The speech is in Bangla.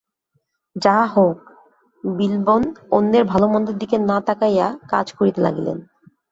যাহা হউক, বিল্বন অন্যের ভালোমন্দের দিকে না তাকাইয়া কাজ করিতে লাগিলেন।